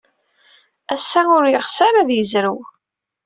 Ass-a, ur yeɣs ara ad yezrew.